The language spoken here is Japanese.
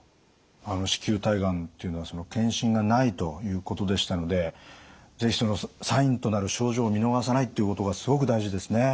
子宮体がんっていうのは検診がないということでしたので是非そのサインとなる症状を見逃さないっていうことがすごく大事ですね。